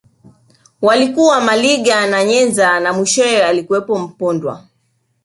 Walikuwa Maliga na Nyenza na wa mwisho alikuwa Mpondwa